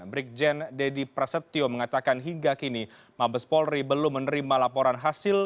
brigjen deddy prasetyo mengatakan hingga kini mabes polri belum menerima laporan hasil